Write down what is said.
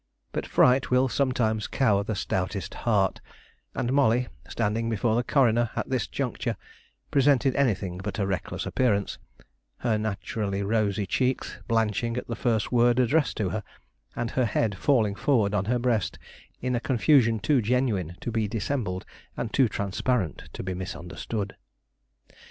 But fright will sometimes cower the stoutest heart, and Molly, standing before the coroner at this juncture, presented anything but a reckless appearance, her naturally rosy cheeks blanching at the first word addressed to her, and her head falling forward on her breast in a confusion too genuine to be dissembled and too transparent to be misunderstood.